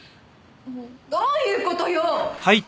もうどういう事よ！